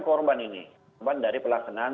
korban ini korban dari pelaksanaan